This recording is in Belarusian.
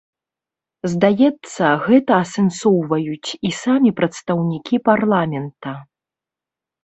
Здаецца, гэта асэнсоўваюць і самі прадстаўнікі парламента.